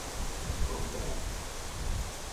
Gowudyra